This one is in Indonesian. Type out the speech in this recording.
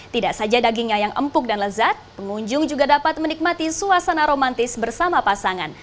tidak saja dagingnya yang empuk dan lezat pengunjung juga dapat menikmati suasana romantis bersama pasangan